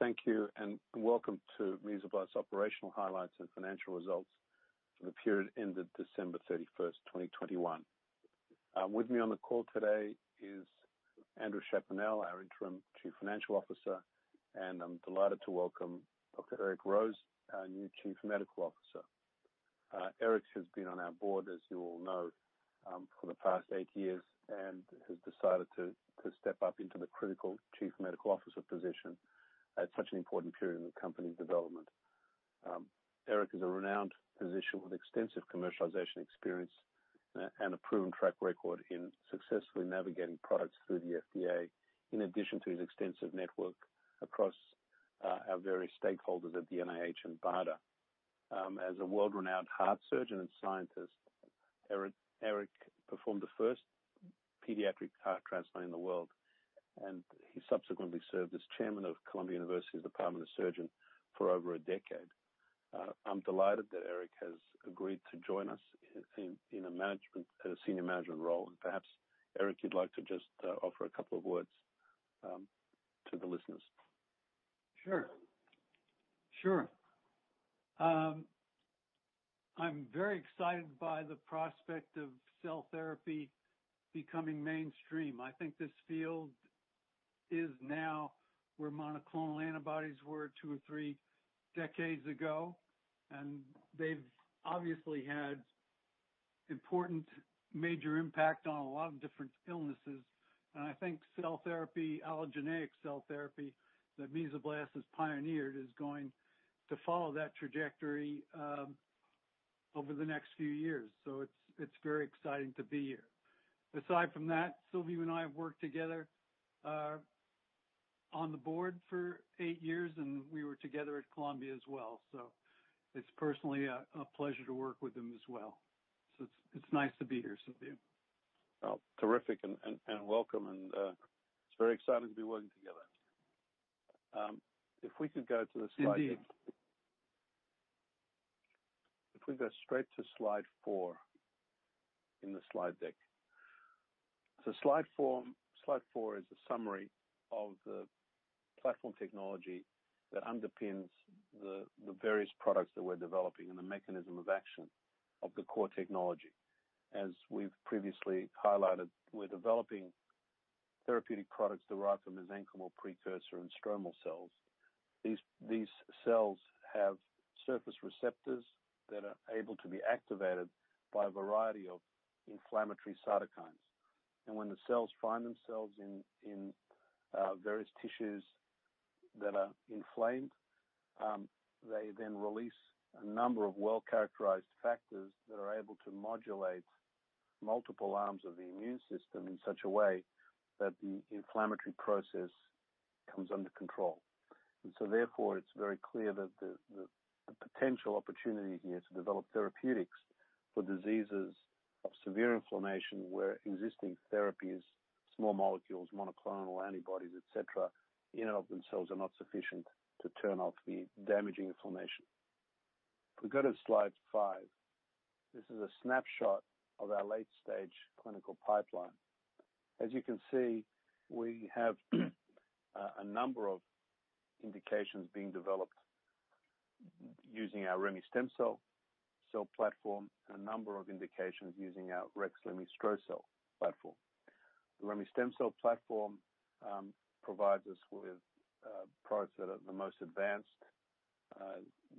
Thank you and welcome to Mesoblast Operational Highlights and Financial Results for the period ended December 31, 2021. With me on the call today is Andrew Chaponnel, our Interim Chief Financial Officer, and I'm delighted to welcome Dr. Eric Rose, our new Chief Medical Officer. Eric has been on our board, as you all know, for the past 8 years and has decided to step up into the critical Chief Medical Officer position at such an important period in the company's development. Eric is a renowned physician with extensive commercialization experience and a proven track record in successfully navigating products through the FDA, in addition to his extensive network across our various stakeholders at the NIH and BARDA. As a world-renowned heart surgeon and scientist, Eric performed the first pediatric heart transplant in the world, and he subsequently served as chairman of Columbia University's Department of Surgery for over a decade. I'm delighted that Eric has agreed to join us in a senior management role. Perhaps, Eric, you'd like to just offer a couple of words to the listeners. Sure, sure. I'm very excited by the prospect of cell therapy becoming mainstream. I think this field is now where monoclonal antibodies were two or three decades ago, and they've obviously had important major impact on a lot of different illnesses. I think cell therapy, allogeneic cell therapy that Mesoblast has pioneered, is going to follow that trajectory over the next few years. It's very exciting to be here. Aside from that, Silviu and I have worked together on the board for eight years, and we were together at Columbia as well. It's personally a pleasure to work with him as well. It's nice to be here, Silviu. Oh, terrific, and welcome. It's very exciting to be working together. If we could go to the slide deck. Indeed. If we go straight to slide four in the slide deck. Slide four is a summary of the platform technology that underpins the various products that we're developing and the mechanism of action of the core technology. As we've previously highlighted, we're developing therapeutic products that derive from mesenchymal precursor and stromal cells. These cells have surface receptors that are able to be activated by a variety of inflammatory cytokines. When the cells find themselves in various tissues that are inflamed, they then release a number of well-characterized factors that are able to modulate multiple arms of the immune system in such a way that the inflammatory process comes under control. Therefore, it's very clear that the potential opportunity here to develop therapeutics for diseases of severe inflammation where existing therapies, small molecules, monoclonal antibodies, et cetera, in and of themselves are not sufficient to turn off the damaging inflammation. If we go to slide five, this is a snapshot of our late-stage clinical pipeline. As you can see, we have a number of indications being developed using our remestemcel-L platform and a number of indications using our rexlemestrocel-L platform. The remestemcel-L platform provides us with products that are the most advanced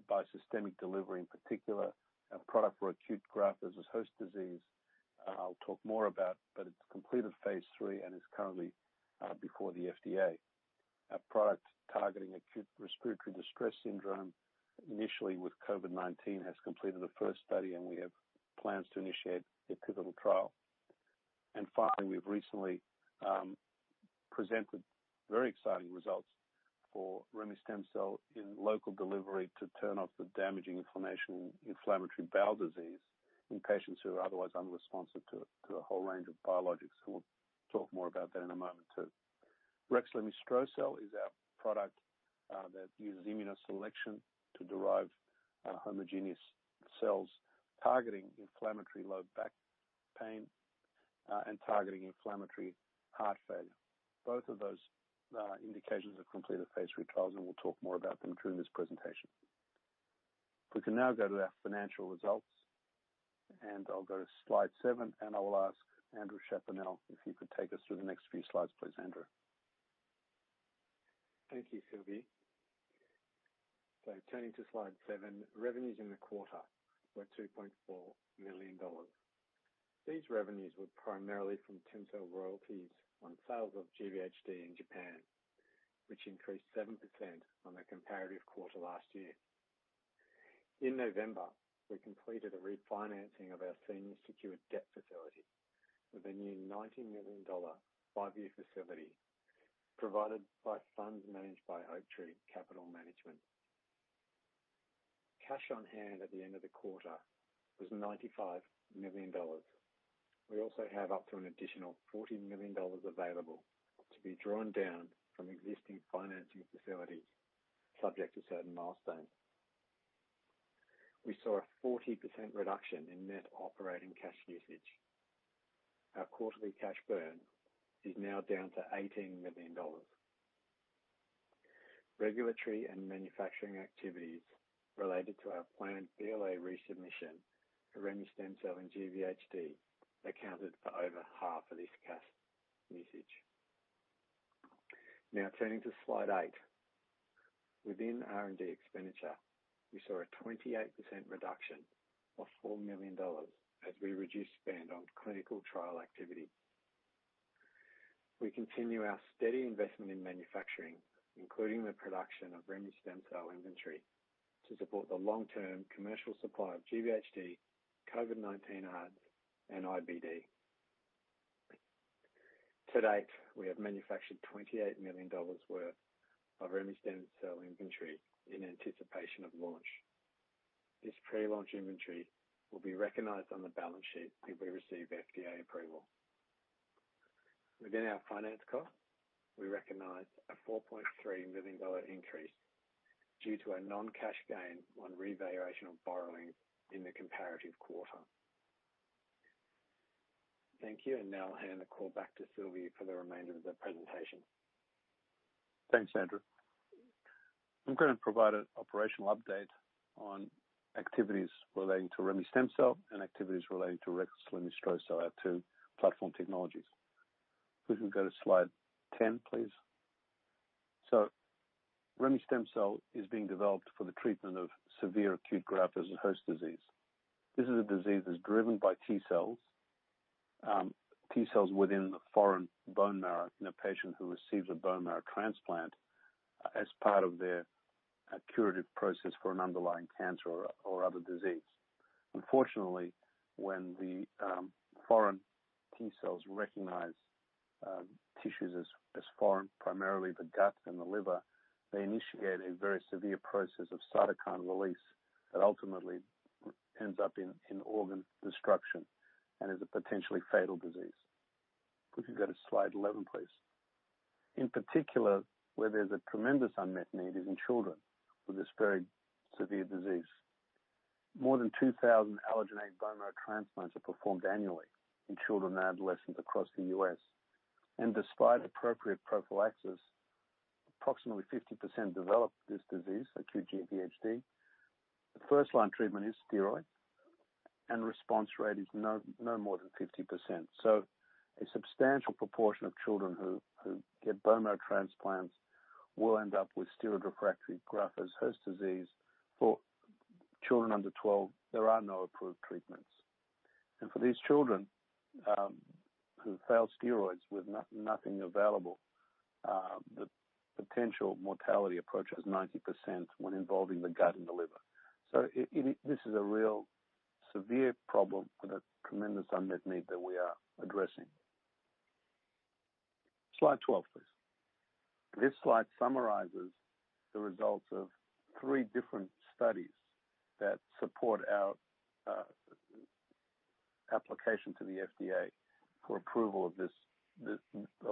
by systemic delivery, in particular, a product for acute graft-versus-host disease. I'll talk more about it, but it's completed phase III and is currently before the FDA. A product targeting acute respiratory distress syndrome, initially with COVID-19, has completed the first study, and we have plans to initiate the pivotal trial. Finally, we've recently presented very exciting results for remestemcel-L in local delivery to turn off the damaging inflammation in inflammatory bowel disease in patients who are otherwise unresponsive to a whole range of biologics. We'll talk more about that in a moment, too. Rexlemestrocel-L is our product that uses immunoselection to derive homogeneous cells targeting inflammatory low back pain and targeting inflammatory heart failure. Both of those indications have completed phase III trials, and we'll talk more about them during this presentation. If we can now go to our financial results, and I'll go to slide seven, and I will ask Andrew Chaponnel if he could take us through the next few slides, please, Andrew. Thank you, Silviu. Turning to slide 7, revenues in the quarter were $2.4 million. These revenues were primarily from TEMCELL royalties on sales of GVHD in Japan, which increased 7% on the comparative quarter last year. In November, we completed a refinancing of our senior secured debt facility with a new $90 million 5-year facility provided by funds managed by Oaktree Capital Management. Cash on hand at the end of the quarter was $95 million. We also have up to an additional $40 million available to be drawn down from existing financing facilities subject to certain milestones. We saw a 40% reduction in net operating cash usage. Our quarterly cash burn is now down to $18 million. Regulatory and manufacturing activities related to our planned BLA resubmission for RYONCIL in GVHD accounted for over half of this cash usage. Now turning to slide 8. Within R&D expenditure, we saw a 28% reduction of $4 million as we reduced spend on clinical trial activity. We continue our steady investment in manufacturing, including the production of RYONCIL inventory to support the long-term commercial supply of GVHD, COVID-19 ARDS, and IBD. To date, we have manufactured $28 million worth of RYONCIL inventory in anticipation of launch. This pre-launch inventory will be recognized on the balance sheet if we receive FDA approval. Within our finance cost, we recognized a $4.3 million increase due to a non-cash gain on revaluation of borrowing in the comparative quarter. Thank you, and now I'll hand the call back to Silviu for the remainder of the presentation. Thanks, Andrew. I'm going to provide an operational update on activities relating to RYONCIL and activities relating to remestemcel-L and rexlemestrocel-L, our two platform technologies. If we can go to slide 10, please. RYONCIL is being developed for the treatment of severe acute graft-versus-host disease. This is a disease that's driven by T cells. T cells within the foreign bone marrow in a patient who receives a bone marrow transplant as part of their curative process for an underlying cancer or other disease. Unfortunately, when foreign T cells recognize tissues as foreign, primarily the gut and the liver, they initiate a very severe process of cytokine release that ultimately ends up in organ destruction and is a potentially fatal disease. If we can go to slide 11, please. In particular, where there's a tremendous unmet need is in children with this very severe disease. More than 2,000 allogeneic bone marrow transplants are performed annually in children and adolescents across the U.S. Despite appropriate prophylaxis, approximately 50% develop this disease, acute GVHD. The first-line treatment is steroids, and response rate is no more than 50%. A substantial proportion of children who get bone marrow transplants will end up with steroid-refractory graft versus host disease. For children under 12, there are no approved treatments. For these children, who fail steroids with nothing available, the potential mortality approaches 90% when involving the gut and the liver. This is a real severe problem with a tremendous unmet need that we are addressing. Slide 12, please. This slide summarizes the results of three different studies that support our application to the FDA for approval of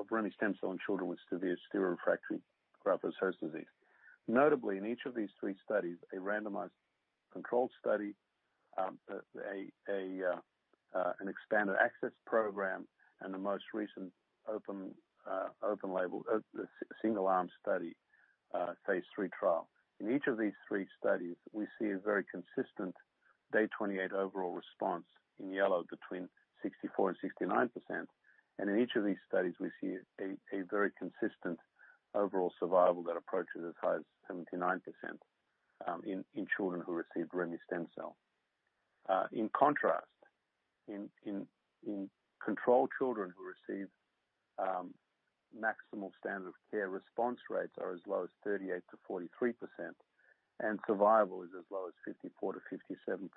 RYONCIL in children with severe steroid-refractory graft-versus-host disease. Notably, in each of these three studies, a randomized controlled study, an expanded access program, and the most recent open-label single-arm phase III trial. In each of these three studies, we see a very consistent day 28 overall response in yellow between 64%-69%. In each of these studies, we see a very consistent overall survival that approaches as high as 79% in children who received RYONCIL. In contrast, in control children who received maximal standard of care, response rates are as low as 38%-43%, and survival is as low as 54%-57%.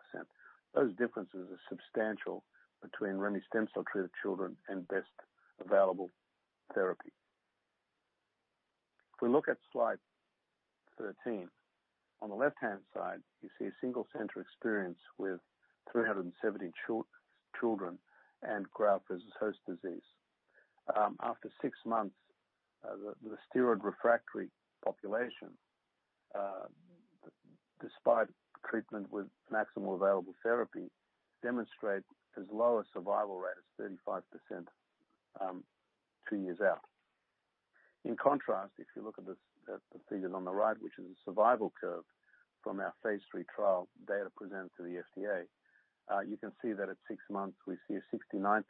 Those differences are substantial between RYONCIL treated children and best available therapy. If we look at slide 13, on the left-hand side, you see a single center experience with 370 children and graft versus host disease. After 6 months, the steroid-refractory population, despite treatment with maximal available therapy, demonstrate as low a survival rate as 35%, 2 years out. In contrast, if you look at the figures on the right, which is a survival curve from our phase III trial data presented to the FDA, you can see that at 6 months we see a 69%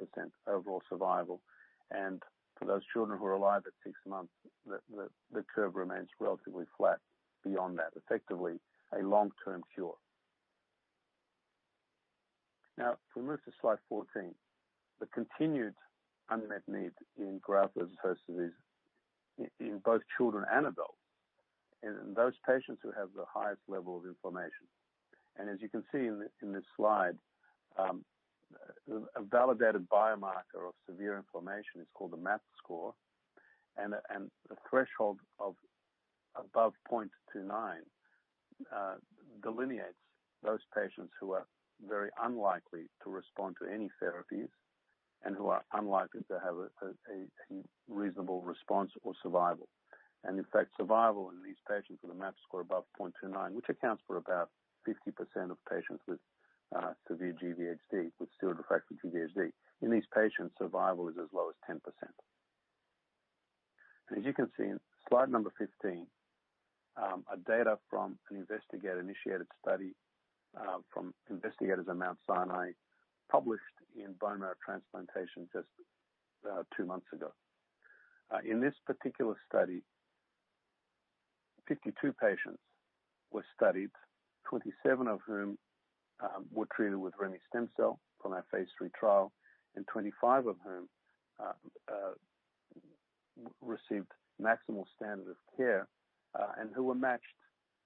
overall survival. For those children who are alive at six months, the curve remains relatively flat beyond that, effectively a long-term cure. Now if we move to slide 14, the continued unmet need in graft-versus-host disease in both children and adults is in those patients who have the highest level of inflammation. As you can see in this slide, a validated biomarker of severe inflammation is called the MAP score, and a threshold of above 0.29 delineates those patients who are very unlikely to respond to any therapies and who are unlikely to have a reasonable response or survival. In fact, survival in these patients with a MAP score above 0.29, which accounts for about 50% of patients with severe GVHD, with steroid-refractory GVHD. In these patients, survival is as low as 10%. As you can see in slide number 15, data from an investigator-initiated study from investigators at Mount Sinai, published in Bone Marrow Transplantation just two months ago. In this particular study, 52 patients were studied, 27 of whom were treated with RYONCIL from our phase III trial, and 25 of whom received maximal standard of care, and who were matched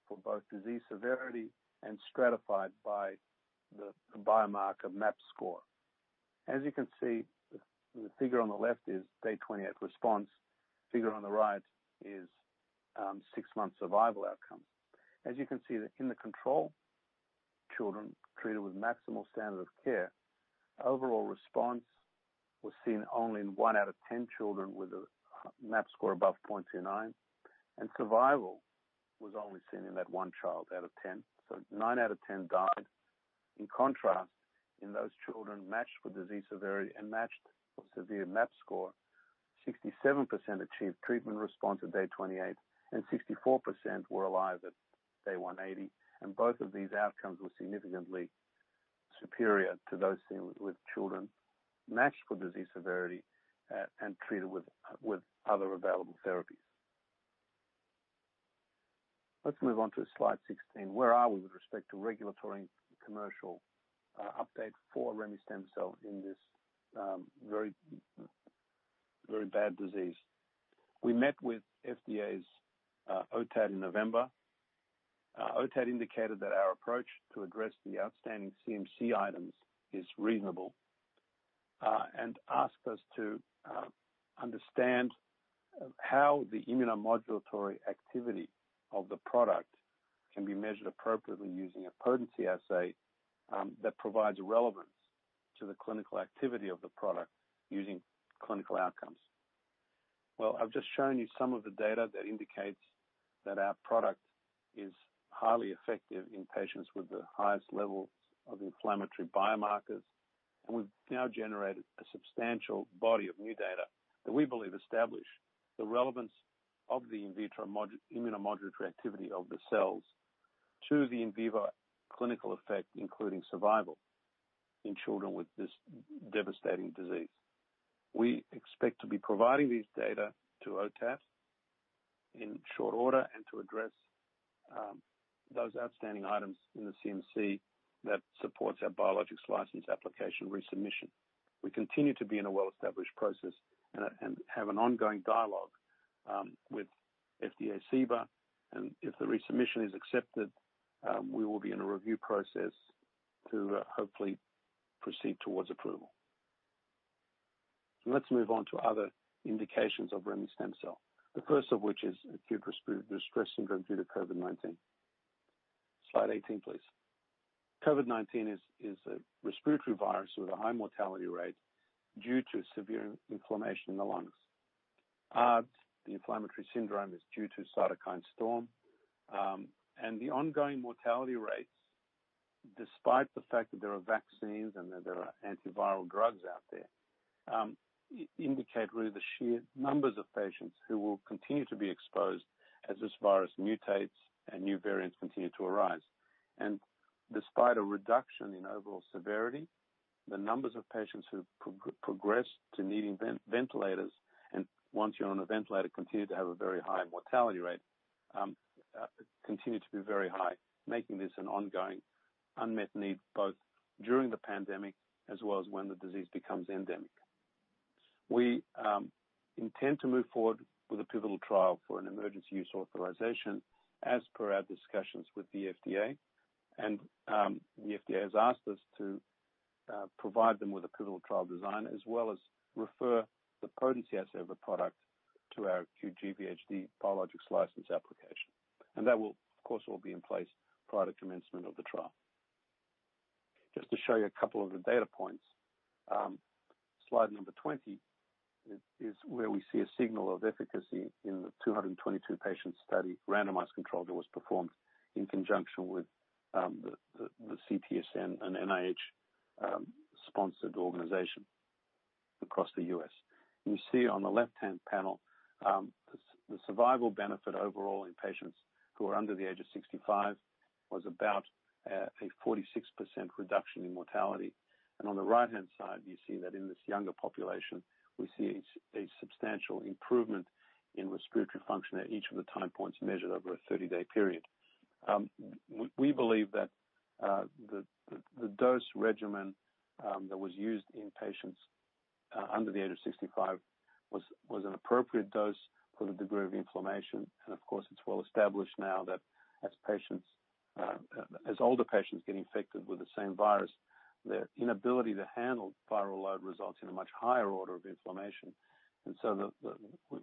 for both disease severity and stratified by the biomarker MAP score. As you can see, the figure on the left is day 28 response. Figure on the right is 6-month survival outcome. As you can see, in the control, children treated with maximal standard of care, overall response was seen only in 1 out of 10 children with a MAP score above 0.29, and survival was only seen in that 1 child out of 10. 9 out of 10 died. In contrast, in those children matched with disease severity and matched for severe MAP score, 67% achieved treatment response at day 28, and 64% were alive at day 180. Both of these outcomes were significantly superior to those seen with children matched for disease severity, and treated with other available therapies. Let's move on to slide 16. Where are we with respect to regulatory commercial update for RYONCIL in this very, very bad disease? We met with FDA's OTAT in November. OTAT indicated that our approach to address the outstanding CMC items is reasonable, and asked us to understand how the immunomodulatory activity of the product can be measured appropriately using a potency assay that provides relevance to the clinical activity of the product using clinical outcomes. Well, I've just shown you some of the data that indicates that our product is highly effective in patients with the highest levels of inflammatory biomarkers, and we've now generated a substantial body of new data that we believe establish the relevance of the in vitro immunomodulatory activity of the cells to the in vivo clinical effect, including survival in children with this devastating disease. We expect to be providing these data to OTAT in short order and to address those outstanding items in the CMC that supports our Biologics License Application resubmission. We continue to be in a well-established process and have an ongoing dialogue with FDA CBER, and if the resubmission is accepted, we will be in a review process to hopefully proceed towards approval. Let's move on to other indications of RYONCIL, the first of which is acute respiratory syndrome due to COVID-19. Slide 18, please. COVID-19 is a respiratory virus with a high mortality rate due to severe inflammation in the lungs. The inflammatory syndrome is due to cytokine storm, and the ongoing mortality rates, despite the fact that there are vaccines and that there are antiviral drugs out there, indicate really the sheer numbers of patients who will continue to be exposed as this virus mutates and new variants continue to arise. Despite a reduction in overall severity, the numbers of patients who progress to needing ventilators, and once you're on a ventilator, continue to have a very high mortality rate, continue to be very high, making this an ongoing unmet need, both during the pandemic as well as when the disease becomes endemic. We intend to move forward with a pivotal trial for an emergency use authorization as per our discussions with the FDA. The FDA has asked us to provide them with a pivotal trial design, as well as refer the potency assay of the product to our acute GVHD biologics license application. That will, of course, all be in place prior to commencement of the trial. Just to show you a couple of the data points, slide number 20 is where we see a signal of efficacy in the 222-patient study, randomized controlled, that was performed in conjunction with the CTSN, an NIH sponsored organization across the U.S. You see on the left-hand panel, the survival benefit overall in patients who are under the age of 65 was about a 46% reduction in mortality. On the right-hand side, you see that in this younger population, we see a substantial improvement in respiratory function at each of the time points measured over a 30-day period. We believe that the dose regimen that was used in patients under the age of 65 was an appropriate dose for the degree of inflammation. Of course, it's well established now that as older patients get infected with the same virus, their inability to handle viral load results in a much higher order of inflammation.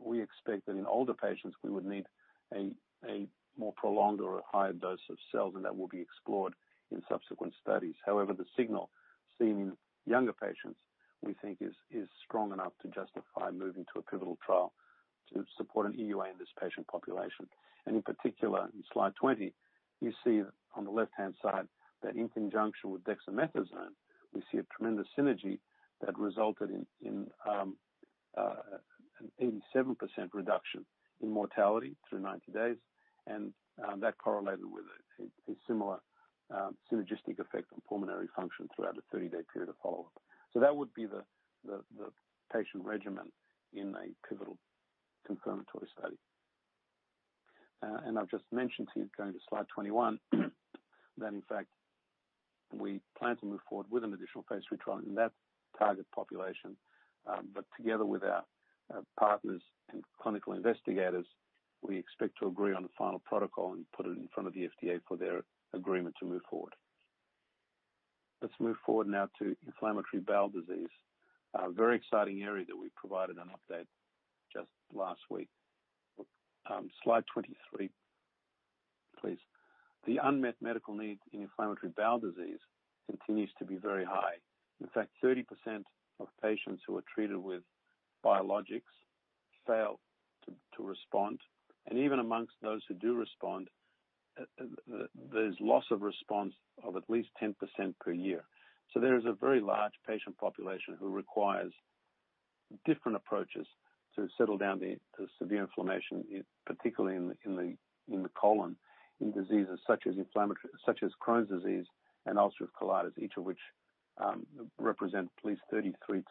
We expect that in older patients, we would need a more prolonged or a higher dose of cells, and that will be explored in subsequent studies. However, the signal seen in younger patients, we think is strong enough to justify moving to a pivotal trial to support an EUA in this patient population. In particular, in slide 20, you see on the left-hand side that in conjunction with dexamethasone, we see a tremendous synergy that resulted in an 87% reduction in mortality through 90 days, and that correlated with a similar synergistic effect on pulmonary function throughout the 30-day period of follow-up. That would be the patient regimen in a pivotal confirmatory study. I've just mentioned to you going to slide 21, that in fact we plan to move forward with an additional phase III trial in that target population, but together with our partners and clinical investigators, we expect to agree on the final protocol and put it in front of the FDA for their agreement to move forward. Let's move forward now to inflammatory bowel disease. Very exciting area that we provided an update just last week. Slide 23 please. The unmet medical need in inflammatory bowel disease continues to be very high. In fact, 30% of patients who are treated with biologics fail to respond, and even amongst those who do respond, there's loss of response of at least 10% per year. There is a very large patient population who requires different approaches to settle down the severe inflammation particularly in the colon in diseases such as Crohn's disease and ulcerative colitis, each of which represent at least 33,000-38,000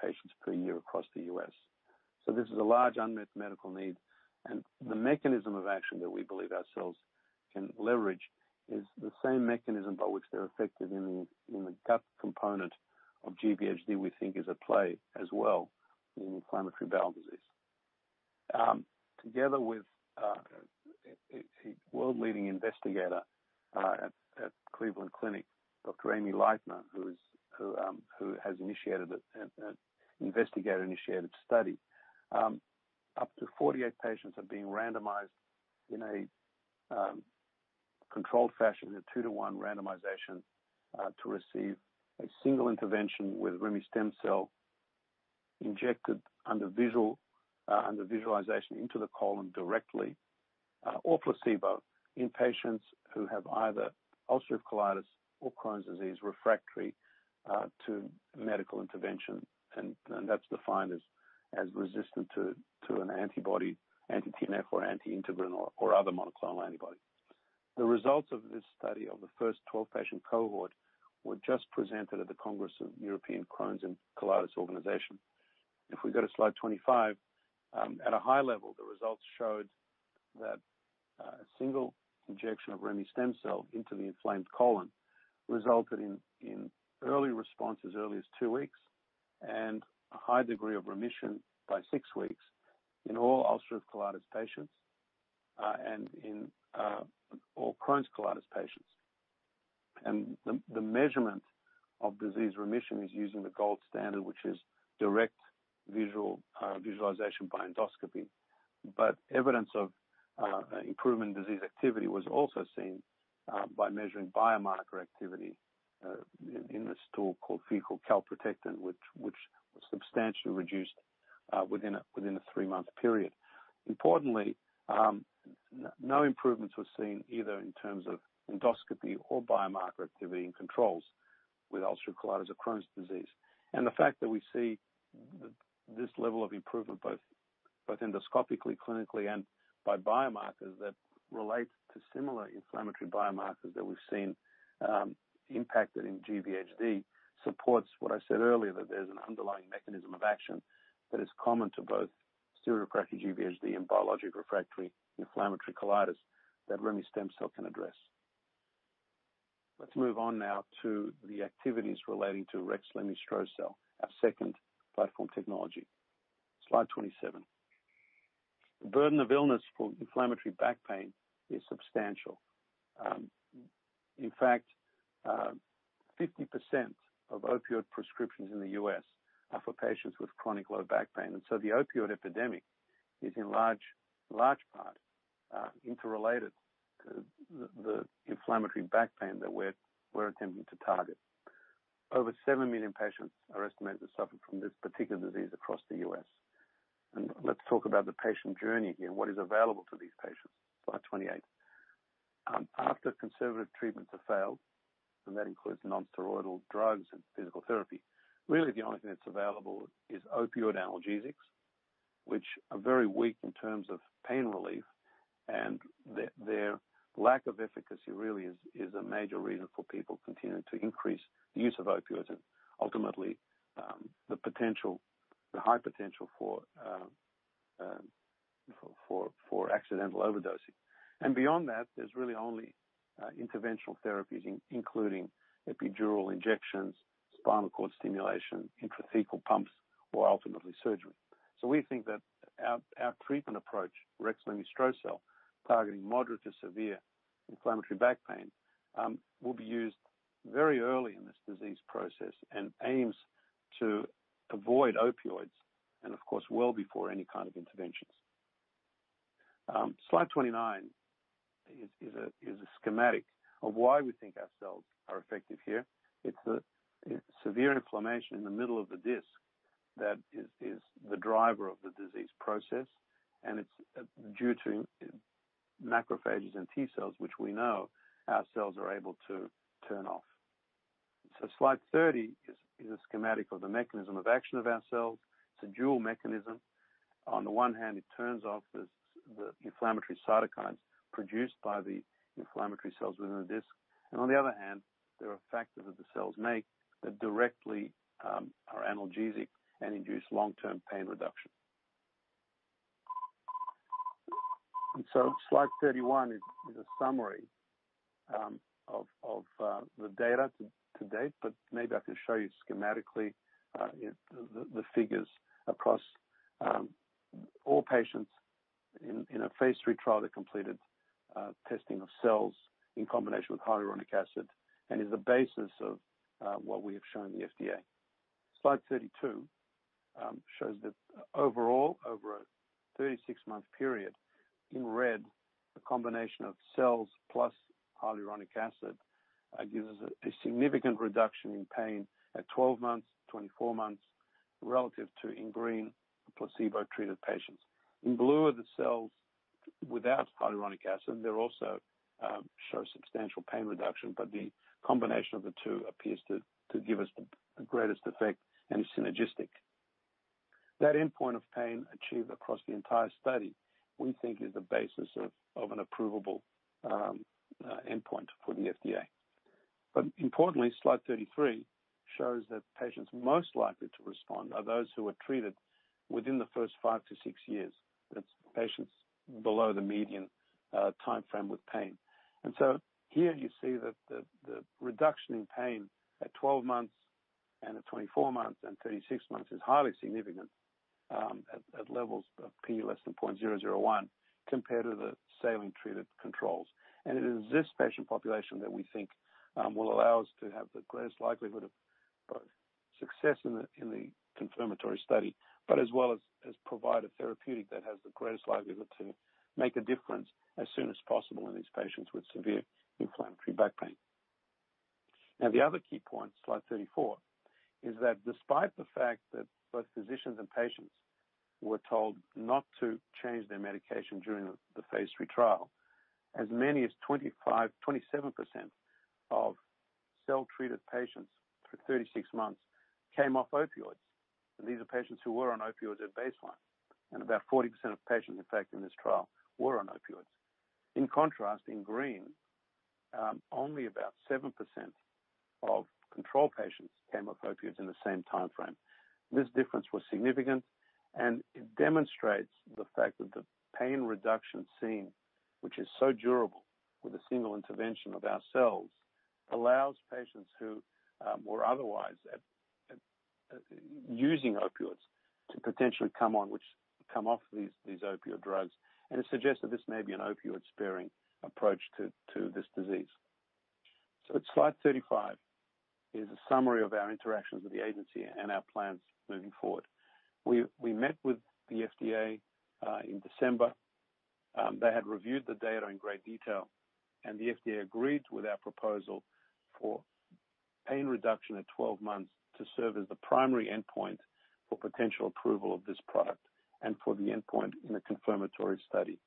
patients per year across the U.S. This is a large unmet medical need, and the mechanism of action that we believe ourselves can leverage is the same mechanism by which they're affected in the gut component of GVHD we think is at play as well in inflammatory bowel disease. Together with a world-leading investigator at Cleveland Clinic, Dr. Amy Lightner, who has initiated an investigator-initiated study. Up to 48 patients are being randomized in a controlled fashion in a 2-to-1 randomization to receive a single intervention with remestemcel-L injected under visualization into the colon directly or placebo in patients who have either ulcerative colitis or Crohn's disease refractory to medical intervention. That's defined as resistant to an antibody, anti-TNF, anti-integrin or other monoclonal antibody. The results of this study of the first 12-patient cohort were just presented at the Congress of European Crohn's and Colitis Organisation. If we go to slide 25, at a high level, the results showed that a single injection of remestemcel-L into the inflamed colon resulted in early response as early as 2 weeks and a high degree of remission by 6 weeks in all ulcerative colitis patients and in all Crohn's colitis patients. The measurement of disease remission is using the gold standard, which is direct visual visualization by endoscopy. Evidence of improvement in disease activity was also seen by measuring biomarker activity in this tool called fecal calprotectin, which was substantially reduced within a 3-month period. Importantly, no improvements were seen either in terms of endoscopy or biomarker activity in controls with ulcerative colitis or Crohn's disease. The fact that we see this level of improvement, both endoscopically, clinically, and by biomarkers that relates to similar inflammatory biomarkers that we've seen impacted in GVHD supports what I said earlier, that there's an underlying mechanism of action that is common to both steroid-refractory GVHD and biologic refractory inflammatory colitis that remestemcel-L can address. Let's move on now to the activities relating to rexlemestrocel-L, our second platform technology. Slide 27. The burden of illness for inflammatory back pain is substantial. In fact, 50% of opioid prescriptions in the U.S. are for patients with chronic low back pain, and so the opioid epidemic is in large part interrelated to the inflammatory back pain that we're attempting to target. Over 7 million patients are estimated to suffer from this particular disease across the U.S. Let's talk about the patient journey here, what is available to these patients. Slide 28. After conservative treatments have failed, and that includes non-steroidal drugs and physical therapy. Really, the only thing that's available is opioid analgesics, which are very weak in terms of pain relief, and their lack of efficacy really is a major reason for people continuing to increase the use of opioids and ultimately the high potential for accidental overdosing. Beyond that, there's really only interventional therapies including epidural injections, spinal cord stimulation, intrathecal pumps, or ultimately surgery. We think that our treatment approach, rexlemestrocel-L, targeting moderate to severe inflammatory back pain, will be used very early in this disease process and aims to avoid opioids and of course, well before any kind of intervention. Slide 29 is a schematic of why we think our cells are effective here. It's severe inflammation in the middle of the disc that is the driver of the disease process, and it's due to macrophages and T-cells, which we know our cells are able to turn off. Slide 30 is a schematic of the mechanism of action of our cells. It's a dual mechanism. On the one hand, it turns off the inflammatory cytokines produced by the inflammatory cells within the disc, and on the other hand, there are factors that the cells make that directly are analgesic and induce long-term pain reduction. Slide 31 is a summary of the data to date, but maybe I can show you schematically the figures across all patients in a phase III trial that completed testing of cells in combination with hyaluronic acid, and is the basis of what we have shown the FDA. Slide 32 shows that overall, over a 36-month period, in red, the combination of cells plus hyaluronic acid gives us a significant reduction in pain at 12 months, 24 months, relative to, in green, placebo-treated patients. In blue are the cells without hyaluronic acid, and they also show substantial pain reduction, but the combination of the two appears to give us the greatest effect, and it's synergistic. That endpoint of pain achieved across the entire study, we think is the basis of an approvable endpoint for the FDA. Importantly, slide 33 shows that patients most likely to respond are those who are treated within the first 5-6 years. That's patients below the median timeframe with pain. Here you see that the reduction in pain at 12 months and at 24 months and 36 months is highly significant at levels of p less than 0.001 compared to the saline-treated controls. It is this patient population that we think will allow us to have the greatest likelihood of both success in the confirmatory study, but as well as provide a therapeutic that has the greatest likelihood to make a difference as soon as possible in these patients with severe inflammatory back pain. Now, the other key point, slide 34, is that despite the fact that both physicians and patients were told not to change their medication during the phase III trial, as many as 25%-27% of cell-treated patients through 36 months came off opioids. These are patients who were on opioids at baseline, and about 40% of patients affected in this trial were on opioids. In contrast, in green, only about 7% of control patients came off opioids in the same timeframe. This difference was significant, and it demonstrates the fact that the pain reduction seen, which is so durable with a single intervention of our cells, allows patients who were otherwise using opioids to potentially come off these opioid drugs. It suggests that this may be an opioid-sparing approach to this disease. At slide 35 is a summary of our interactions with the agency and our plans moving forward. We met with the FDA in December. They had reviewed the data in great detail, and the FDA agreed with our proposal for pain reduction at 12 months to serve as the primary endpoint for potential approval of this product and for the endpoint in a confirmatory study.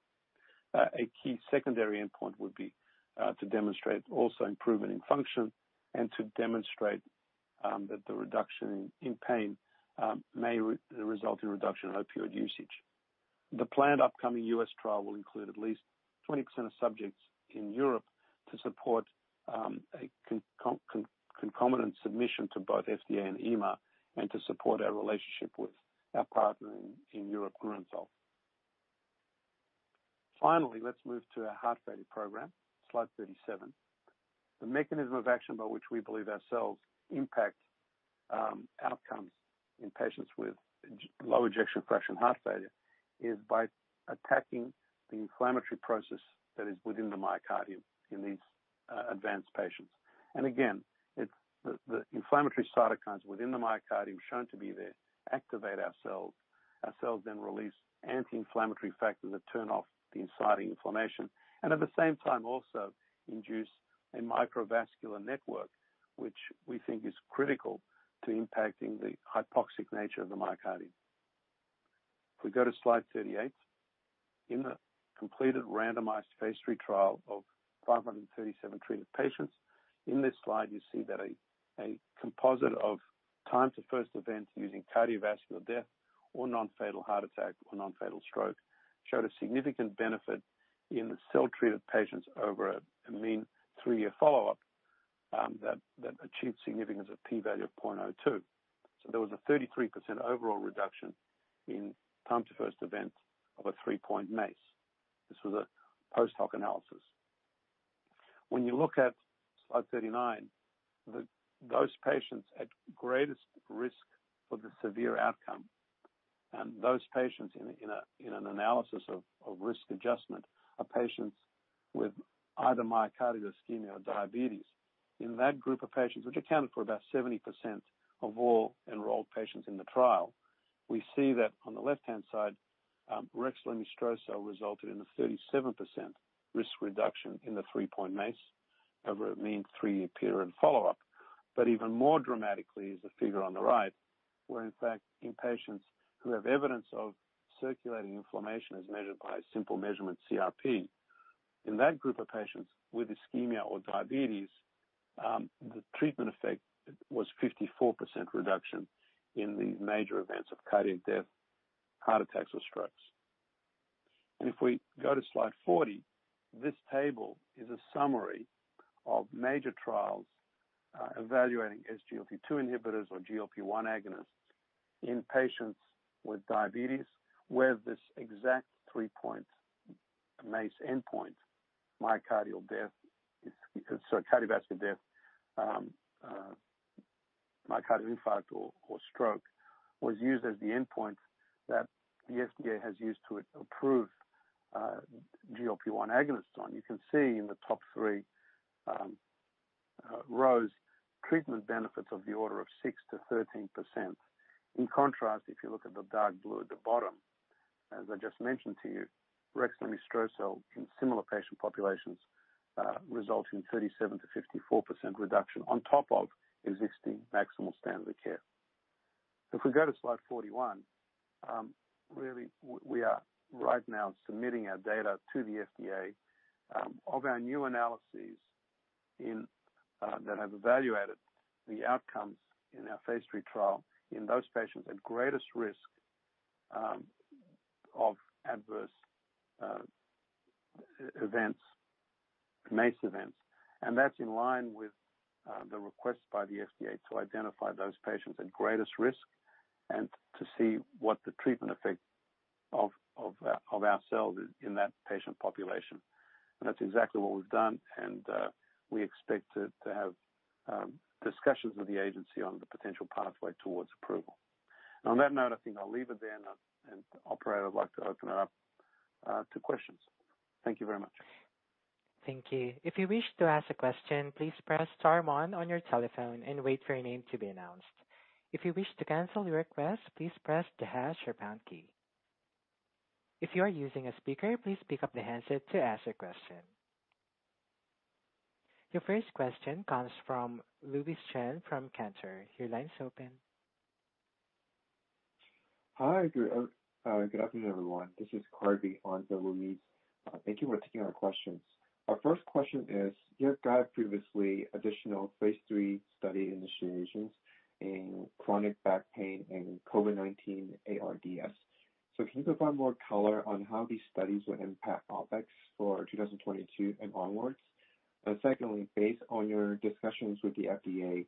A key secondary endpoint would be to demonstrate also improvement in function and to demonstrate that the reduction in pain may result in reduction in opioid usage. The planned upcoming U.S. trial will include at least 20% of subjects in Europe to support a concomitant submission to both FDA and EMA and to support our relationship with our partner in Europe, Grünenthal. Finally, let's move to our heart failure program, slide 37. The mechanism of action by which we believe our cells impact outcomes in patients with low ejection fraction heart failure is by attacking the inflammatory process that is within the myocardium in these advanced patients. It's the inflammatory cytokines within the myocardium shown to be there activate our cells. Our cells then release anti-inflammatory factors that turn off the inciting inflammation and at the same time also induce a microvascular network, which we think is critical to impacting the hypoxic nature of the myocardium. If we go to slide 38. In the completed randomized phase III trial of 537 treated patients, in this slide you see that a composite of time to first event using cardiovascular death or non-fatal heart attack or non-fatal stroke showed a significant benefit in the cell-treated patients over a mean 3-year follow-up, that achieved significance of P value of 0.02. There was a 33% overall reduction in time to first event of a 3-point MACE. This was a post-hoc analysis. When you look at slide 39, those patients at greatest risk for the severe outcome, and those patients in an analysis of risk adjustment are patients with either myocardial ischemia or diabetes. In that group of patients, which accounted for about 70% of all enrolled patients in the trial, we see that on the left-hand side, rexlemestrocel-L resulted in a 37% risk reduction in the 3-point MACE over a mean 3-year period follow-up. Even more dramatically is the figure on the right, where in fact, in patients who have evidence of circulating inflammation as measured by a simple measurement CRP, in that group of patients with ischemia or diabetes, the treatment effect was 54% reduction in the major events of cardiac death, heart attacks or strokes. If we go to slide 40, this table is a summary of major trials evaluating SGLT2 inhibitors or GLP-1 agonists in patients with diabetes, where this exact three-point MACE endpoint, myocardial death, so cardiovascular death, myocardial infarct or stroke, was used as the endpoint that the FDA has used to approve GLP-1 agonists on. You can see in the top three rows, treatment benefits of the order of 6%-13%. In contrast, if you look at the dark blue at the bottom, as I just mentioned to you, rexlemestrocel-L in similar patient populations result in 37%-54% reduction on top of existing maximal standard care. If we go to slide 41, really we are right now submitting our data to the FDA of our new analyses that have evaluated the outcomes in our phase III trial in those patients at greatest risk of adverse events, MACE events. That's in line with the request by the FDA to identify those patients at greatest risk and to see what the treatment effect of our cells in that patient population. That's exactly what we've done, and we expect to have discussions with the agency on the potential pathway towards approval. On that note, I think I'll leave it there, and operator, I'd like to open it up to questions. Thank you very much. Thank you. If you wish to ask a question, please press star one on your telephone and wait for your name to be announced. If you wish to cancel your request, please press the hash or pound key. If you are using a speaker, please pick up the handset to ask your question. Your first question comes from Louise Chen from Cantor. Your line is open. Hi. Good afternoon, everyone. This is Harvey on the line. Thank you for taking our questions. Our first question is, you have guided previously additional phase III study initiations in chronic back pain and COVID-19 ARDS. Can you provide more color on how these studies would impact OpEx for 2022 and onwards? Secondly, based on your discussions with the FDA,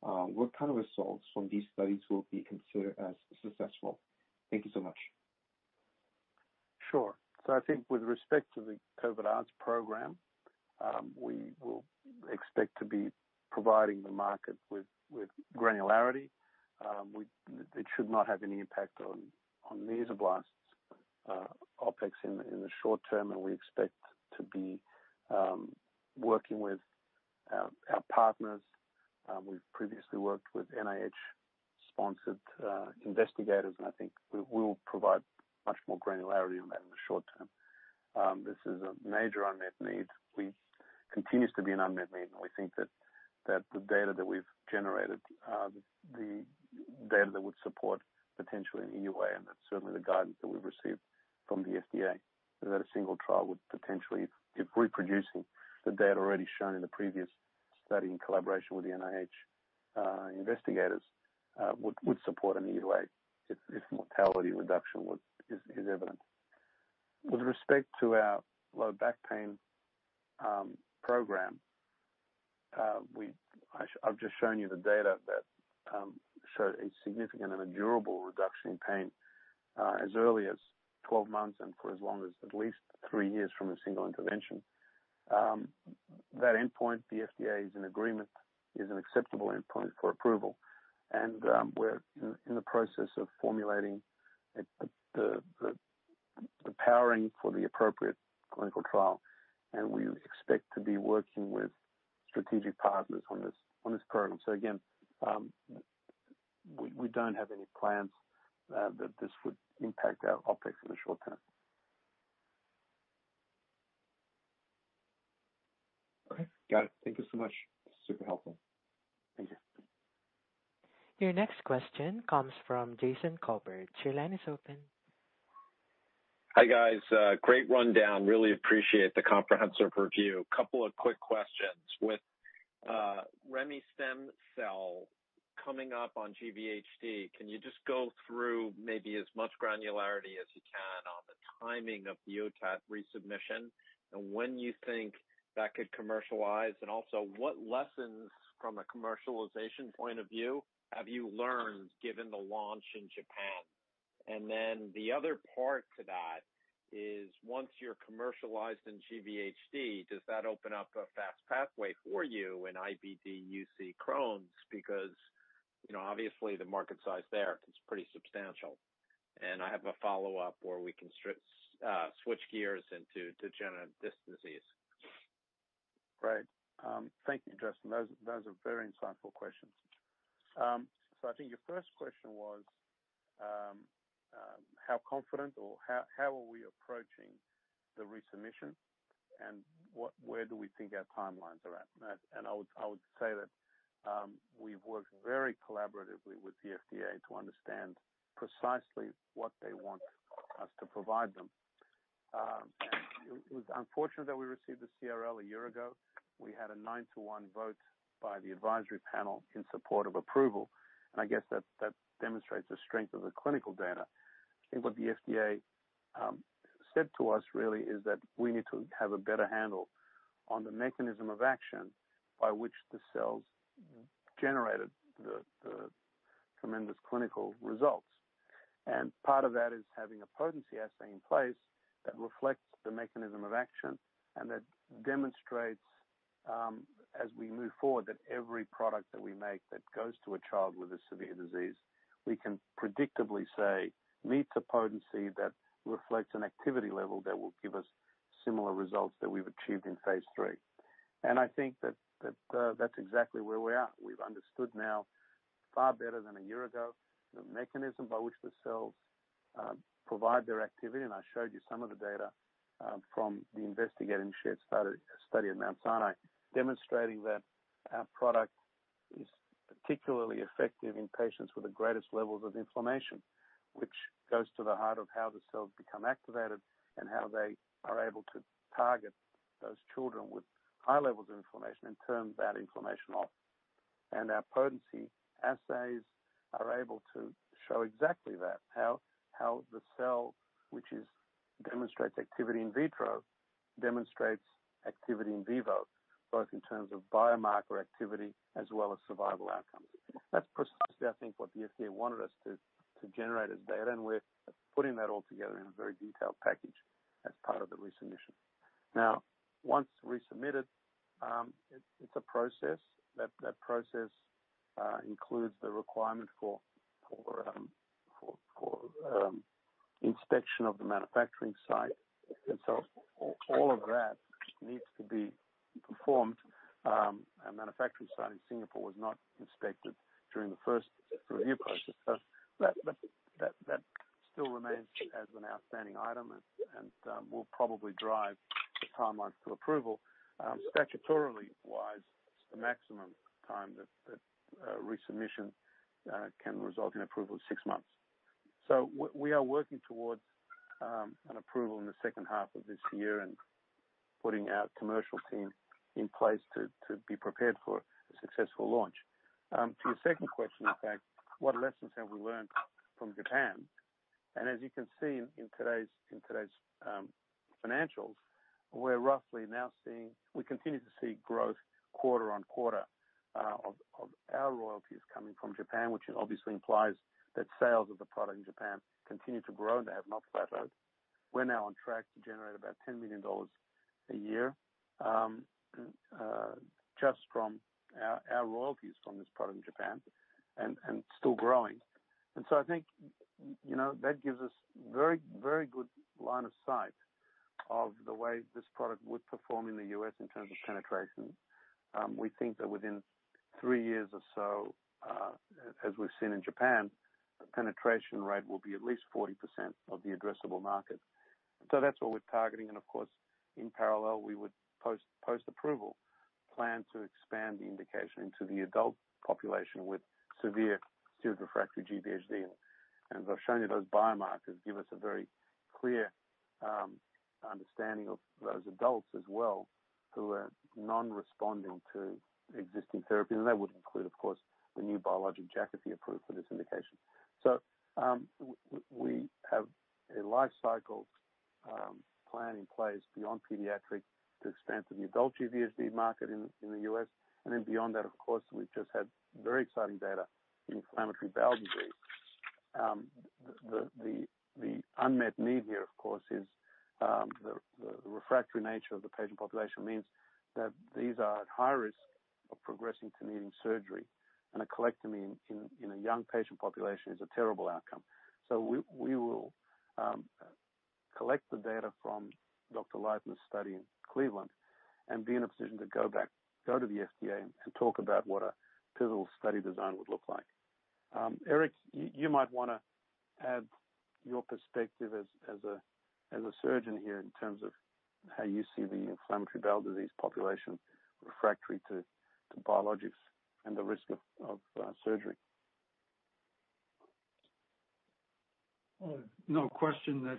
what kind of results from these studies will be considered as successful? Thank you so much. Sure. I think with respect to the COVID-ARDS program, we will expect to be providing the market with granularity. It should not have any impact on Mesoblast's OpEx in the short term, and we expect to be working with our partners. We've previously worked with NIH-sponsored investigators, and I think we will provide much more granularity on that in the short term. This is a major unmet need. It continues to be an unmet need, and we think that the data that we've generated, the data that would support potentially an EUA, and that's certainly the guidance that we've received from the FDA, is that a single trial would potentially, if reproducing the data already shown in the previous study in collaboration with the NIH investigators, would support an EUA if mortality reduction is evident. With respect to our Low Back Pain program, I've just shown you the data that showed a significant and a durable reduction in pain as early as 12 months and for as long as at least 3 years from a single intervention. That endpoint, the FDA is in agreement, is an acceptable endpoint for approval, and we're in the process of formulating it, the powering for the appropriate clinical trial, and we expect to be working with strategic partners on this program. Again, we don't have any plans that this would impact our OpEx in the short term. Okay. Got it. Thank you so much. Super helpful. Thank you. Your next question comes from Jason Kolbert. Your line is open. Hi, guys. Great rundown. Really appreciate the comprehensive review. Couple of quick questions. With remestemcel-L coming up on GVHD, can you just go through maybe as much granularity as you can on the timing of the OTAT resubmission and when you think that could commercialize? And also, what lessons from a commercialization point of view have you learned given the launch in Japan? And then the other part to that is once you're commercialized in GVHD, does that open up a fast pathway for you in IBD, UC, Crohn's? Because, you know, obviously the market size there is pretty substantial. I have a follow-up where we can switch gears into degenerative disc disease. Great. Thank you, Justin. Those are very insightful questions. I think your first question was how confident or how are we approaching the resubmission and where do we think our timelines are at? I would say that we've worked very collaboratively with the FDA to understand precisely what they want us to provide them. It was unfortunate that we received the CRL a year ago. We had a 9-to-1 vote by the advisory panel in support of approval, and I guess that demonstrates the strength of the clinical data. I think what the FDA said to us really is that we need to have a better handle on the mechanism of action by which the cells generated the tremendous clinical results. Part of that is having a potency assay in place that reflects the mechanism of action and that demonstrates, as we move forward, that every product that we make that goes to a child with a severe disease, we can predictably say, meets a potency that reflects an activity level that will give us similar results that we've achieved in phase III. I think that's exactly where we are. We've understood now far better than a year ago the mechanism by which the cells provide their activity, and I showed you some of the data from the investigator-initiated study at Mount Sinai, demonstrating that our product is particularly effective in patients with the greatest levels of inflammation, which goes to the heart of how the cells become activated and how they are able to target those children with high levels of inflammation and turn that inflammation off. Our potency assays are able to show exactly that, how the cell which demonstrates activity in vitro demonstrates activity in vivo, both in terms of biomarker activity as well as survival outcomes. That's precisely, I think, what the FDA wanted us to generate as data, and we're putting that all together in a very detailed package as part of the resubmission. Now, once resubmitted, it's a process. That process includes the requirement for inspection of the manufacturing site. All of that needs to be performed. Our manufacturing site in Singapore was not inspected during the first review process, so that still remains as an outstanding item and will probably drive the timelines for approval. Statutorily wise, the maximum time that resubmission can result in approval is six months. We are working towards an approval in the second half of this year and putting our commercial team in place to be prepared for a successful launch. To your second question, in fact, what lessons have we learned from Japan? As you can see in today's financials, we continue to see growth quarter-on-quarter of our royalties coming from Japan, which obviously implies that sales of the product in Japan continue to grow and they have not plateaued. We're now on track to generate about $10 million a year just from our royalties from this product in Japan and still growing. I think, you know, that gives us very, very good line of sight of the way this product would perform in the U.S. in terms of penetration. We think that within 3 years or so, as we've seen in Japan, the penetration rate will be at least 40% of the addressable market. That's what we're targeting and of course, in parallel, we would post-approval plan to expand the indication into the adult population with severe steroid-refractory GVHD. As I've shown you, those biomarkers give us a very clear understanding of those adults as well who are non-responding to existing therapy. That would include, of course, the new biologic Jakafi approved for this indication. We have a life cycle plan in place beyond pediatric to expand to the adult GVHD market in the US. Then beyond that, of course, we've just had very exciting data in inflammatory bowel disease. The unmet need here, of course, is the refractory nature of the patient population means that these are at high risk of progressing to needing surgery, and a colectomy in a young patient population is a terrible outcome. We will collect the data from Dr. Lightner's study in Cleveland and be in a position to go back to the FDA and talk about what a pivotal study design would look like. Eric, you might wanna add your perspective as a surgeon here in terms of how you see the inflammatory bowel disease population refractory to biologics and the risk of surgery. No question that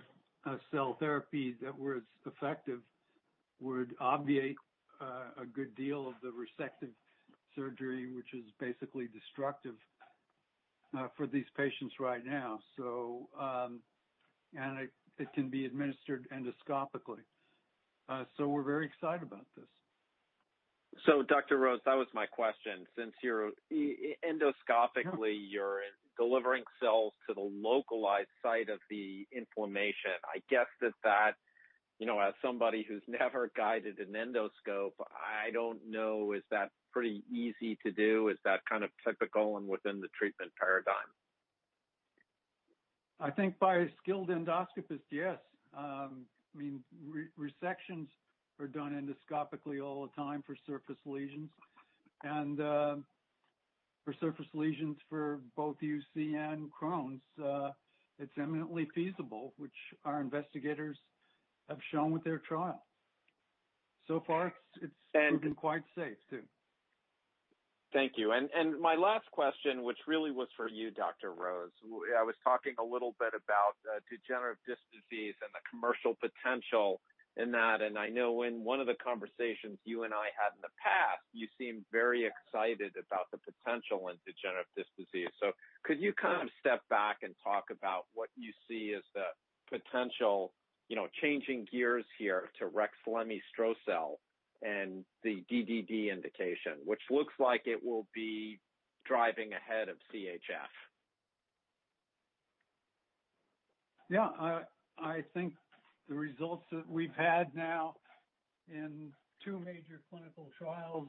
a cell therapy that were as effective would obviate a good deal of the resective surgery, which is basically destructive, for these patients right now. It can be administered endoscopically. We're very excited about this. Dr. Rose, that was my question. Since you're endoscopically- Yeah. You're delivering cells to the localized site of the inflammation, I guess that you know, as somebody who's never guided an endoscope, I don't know, is that pretty easy to do? Is that kind of typical and within the treatment paradigm? I think by a skilled endoscopist, yes. I mean, resections are done endoscopically all the time for surface lesions. For surface lesions for both UC and Crohn's, it's eminently feasible, which our investigators have shown with their trial. So far, it's And- Proven quite safe too. Thank you. My last question, which really was for you, Dr. Rose. I was talking a little bit about degenerative disc disease and the commercial potential in that. I know in one of the conversations you and I had in the past, you seemed very excited about the potential in degenerative disc disease. Could you kind of step back and talk about what you see as the potential, you know, changing gears here to rexlemestrocel-L and the DDD indication, which looks like it will be driving ahead of CHF? Yeah. I think the results that we've had now in two major clinical trials,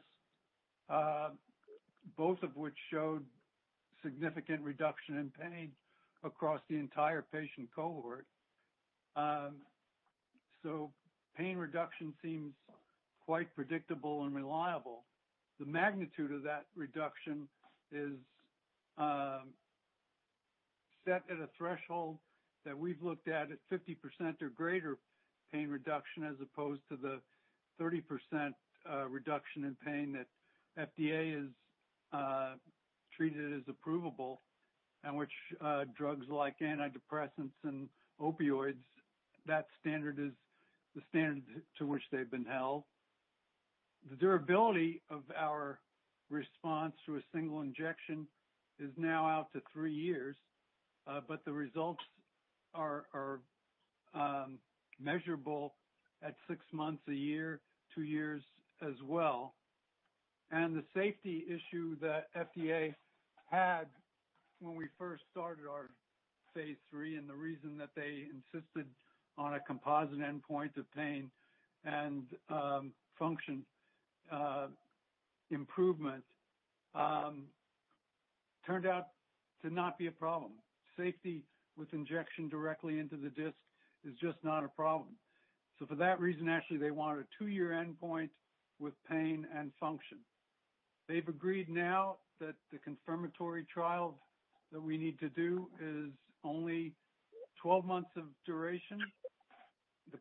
both of which showed significant reduction in pain across the entire patient cohort. Pain reduction seems quite predictable and reliable. The magnitude of that reduction is set at a threshold that we've looked at at 50% or greater pain reduction as opposed to the 30% reduction in pain that FDA has treated as approvable, and which drugs like antidepressants and opioids, that standard is the standard to which they've been held. The durability of our response to a single injection is now out to three years. The results are measurable at six months, a year, two years as well. The safety issue that FDA had when we first started our phase III, and the reason that they insisted on a composite endpoint of pain and function improvement turned out to not be a problem. Safety with injection directly into the disc is just not a problem. For that reason, actually, they wanted a two-year endpoint with pain and function. They've agreed now that the confirmatory trial that we need to do is only 12 months of duration. The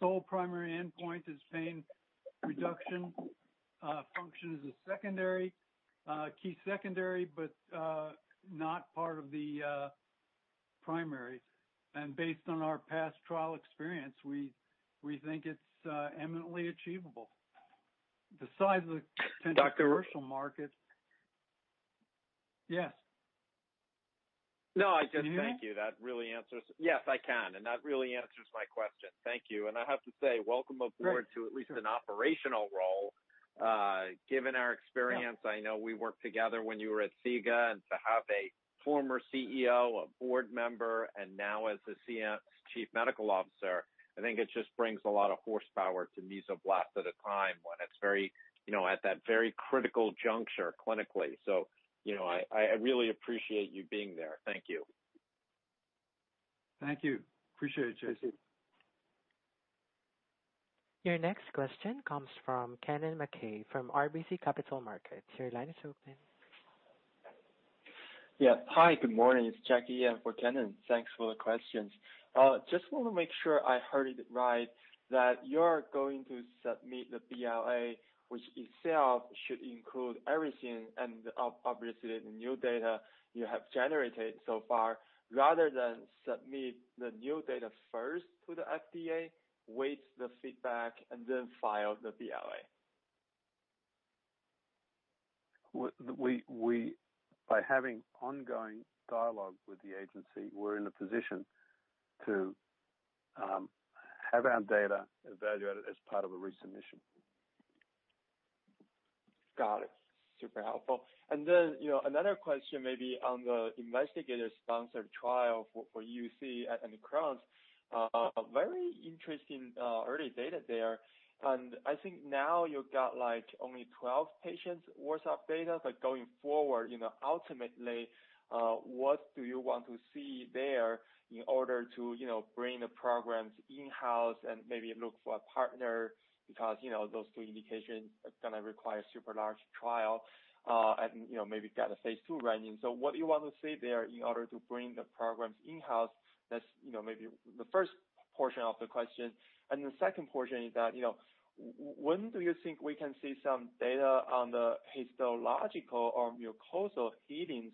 sole primary endpoint is pain reduction. Function is a secondary key secondary, but not part of the primaries. Based on our past trial experience, we think it's eminently achievable. The size of the- Dr. Rose? potential commercial market. Yes. No, I just. Can you hear me? Thank you. That really answers. Yes, I can. That really answers my question. Thank you. I have to say welcome aboard. Great to at least an operational role. Given our experience Yeah I know we worked together when you were at SIGA, and to have a former CEO, a board member, and now as a Chief Medical Officer, I think it just brings a lot of horsepower to Mesoblast at a time when it's very, you know, at that very critical juncture clinically. You know, I really appreciate you being there. Thank you. Thank you. Appreciate it, J.C. Your next question comes from Kennen MacKay from RBC Capital Markets. Your line is open. Yeah. Hi, good morning. It's Jackie here for Kennen. Thanks for the questions. Just wanna make sure I heard it right, that you're going to submit the BLA, which itself should include everything and obviously the new data you have generated so far, rather than submit the new data first to the FDA, wait the feedback, and then file the BLA. By having ongoing dialogue with the agency, we're in a position to have our data evaluated as part of a resubmission. Got it. Super helpful. You know, another question maybe on the investigator-sponsored trial for UC and Crohn's. Very interesting early data there. I think now you've got, like, only 12 patients' worth of data, but going forward, you know, ultimately, what do you want to see there in order to, you know, bring the programs in-house and maybe look for a partner? Because, you know, those two indications are gonna require super large trial, and, you know, maybe get a phase II running. What do you want to see there in order to bring the programs in-house? That's, you know, maybe the first portion of the question. The second portion is that, you know, when do you think we can see some data on the histological or mucosal healings,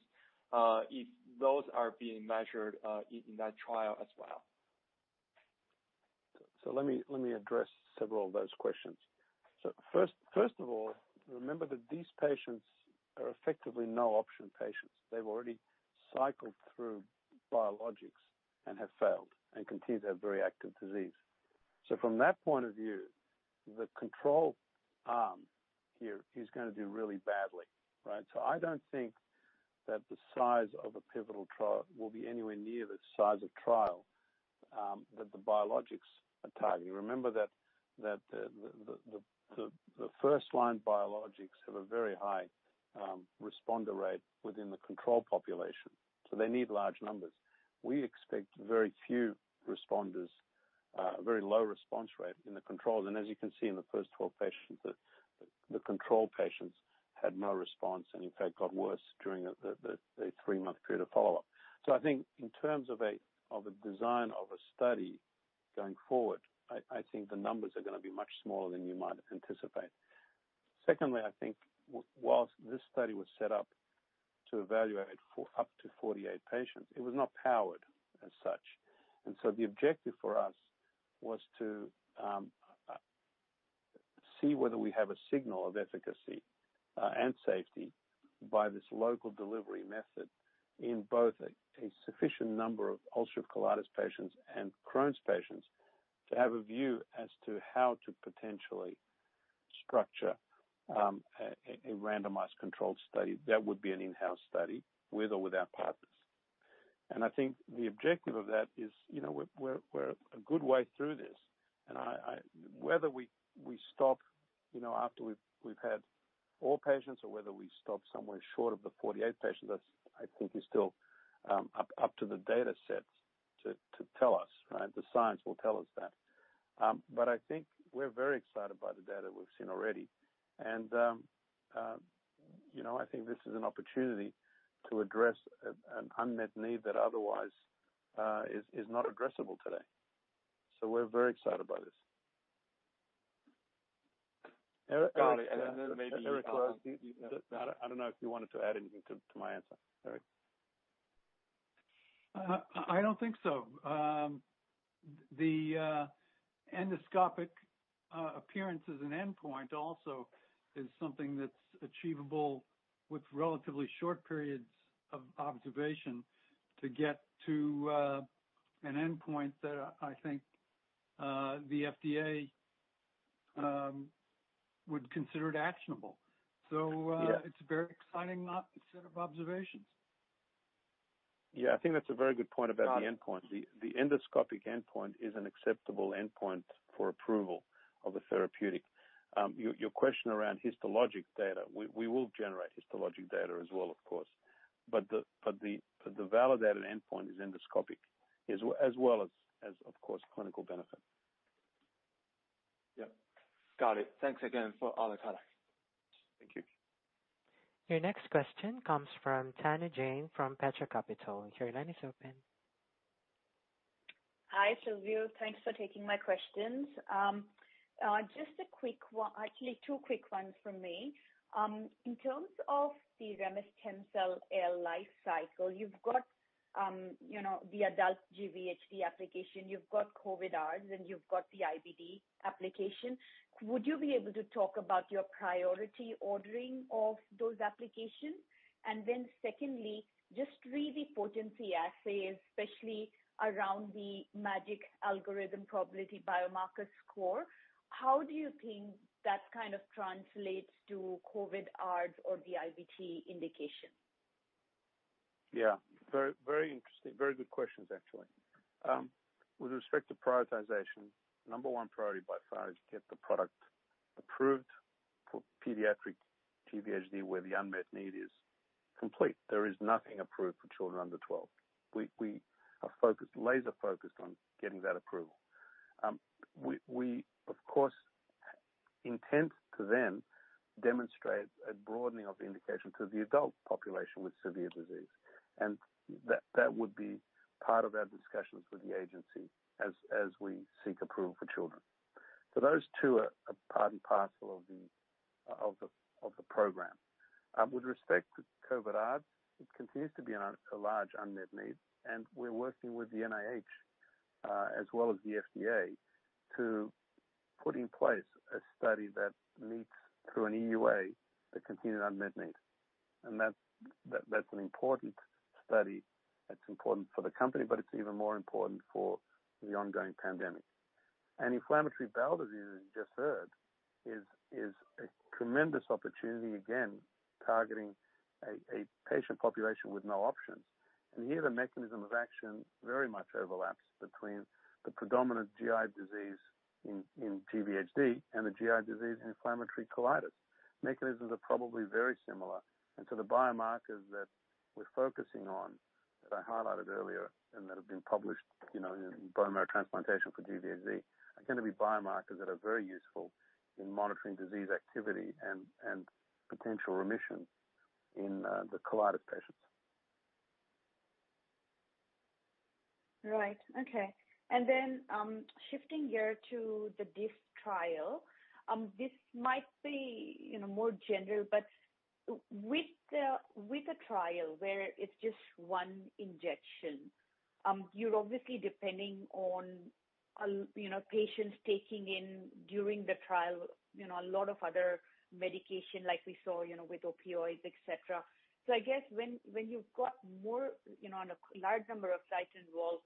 if those are being measured, in that trial as well? Let me address several of those questions. First of all, remember that these patients are effectively no-option patients. They've already cycled through biologics and have failed and continue to have very active disease. From that point of view, the control arm here is gonna do really badly, right? I don't think- That the size of a pivotal trial will be anywhere near the size of trial that the biologics are targeting. Remember that the first line biologics have a very high responder rate within the control population, so they need large numbers. We expect very few responders, a very low response rate in the controls. As you can see in the first 12 patients, the control patients had no response and in fact got worse during the three-month period of follow-up. I think in terms of a design of a study going forward, I think the numbers are gonna be much smaller than you might anticipate. Secondly, I think whilst this study was set up to evaluate for up to 48 patients, it was not powered as such. The objective for us was to see whether we have a signal of efficacy and safety by this local delivery method in both a sufficient number of ulcerative colitis patients and Crohn's patients to have a view as to how to potentially structure a randomized controlled study that would be an in-house study with or without partners. I think the objective of that is, you know, we're a good way through this, and whether we stop, you know, after we've had all patients or whether we stop somewhere short of the 48 patients, that's, I think, is still up to the data sets to tell us, right? The science will tell us that. I think we're very excited by the data we've seen already. You know, I think this is an opportunity to address an unmet need that otherwise is not addressable today. We're very excited about this. Eric- Got it. Maybe, I don't know if you wanted to add anything to my answer, Eric. I don't think so. The endoscopic appearance as an endpoint also is something that's achievable with relatively short periods of observation to get to an endpoint that I think the FDA would consider it actionable. Yeah. It's a very exciting set of observations. Yeah. I think that's a very good point about the endpoint. The endoscopic endpoint is an acceptable endpoint for approval of a therapeutic. Your question around histologic data, we will generate histologic data as well, of course. But the validated endpoint is endoscopic as well as, of course, clinical benefit. Yep. Got it. Thanks again for all the color. Thank you. Your next question comes from Tanushree Jain from Petra Capital. Your line is open. Hi, Silvio. Thanks for taking my questions. Just a quick one. Actually, two quick ones from me. In terms of the remestemcel-L life cycle, you've got, you know, the adult GVHD application, you've got COVID-ARDS, and you've got the IBD application. Would you be able to talk about your priority ordering of those applications? Then secondly, just really potency assays, especially around the MAGIC algorithm probability biomarker score, how do you think that kind of translates to COVID-ARDS or the IBD indication? Yeah. Very interesting. Very good questions, actually. With respect to prioritization, number one priority by far is get the product approved for pediatric GVHD, where the unmet need is complete. There is nothing approved for children under 12. We are focused, laser-focused on getting that approval. We of course intend to then demonstrate a broadening of the indication to the adult population with severe disease, and that would be part of our discussions with the agency as we seek approval for children. Those two are part and parcel of the program. With respect to COVID-ARDS, it continues to be a large unmet need, and we're working with the NIH, as well as the FDA, to put in place a study that meets through an EUA, a continued unmet need. That's an important study. That's important for the company, but it's even more important for the ongoing pandemic. Inflammatory bowel disease, as you just heard, is a tremendous opportunity, again, targeting a patient population with no options. Here, the mechanism of action very much overlaps between the predominant GI disease in GVHD and the GI disease in inflammatory colitis. Mechanisms are probably very similar, and so the biomarkers that we're focusing on, that I highlighted earlier, and that have been published, you know, in Bone Marrow Transplantation for GVHD, are gonna be biomarkers that are very useful in monitoring disease activity and potential remission in the colitis patients. Right. Okay. shifting gears to the DREAM trial, this might be, you know, more general, but with the trial where it's just one injection, you're obviously depending on, you know, patients taking in during the trial, you know, a lot of other medication like we saw, you know, with opioids, et cetera. I guess when you've got more, you know, on a large number of sites involved.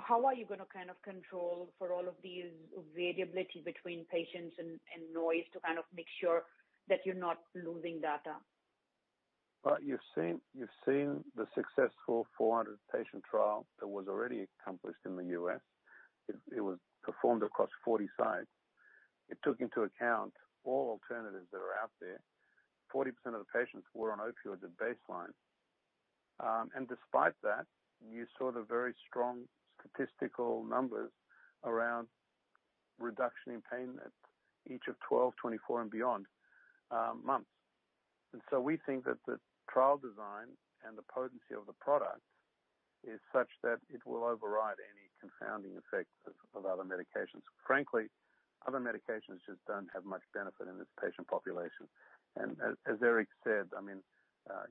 How are you gonna kind of control for all of these variability between patients and noise to kind of make sure that you're not losing data? Well, you've seen the successful 400-patient trial that was already accomplished in the U.S. It was performed across 40 sites. It took into account all alternatives that are out there. 40% of the patients were on opioids at baseline. Despite that, you saw the very strong statistical numbers around reduction in pain at each of 12, 24 and beyond months. We think that the trial design and the potency of the product is such that it will override any confounding effects of other medications. Frankly, other medications just don't have much benefit in this patient population. As Eric said, I mean,